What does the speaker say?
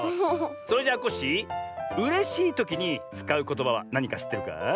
それじゃコッシーうれしいときにつかうことばはなにかしってるか？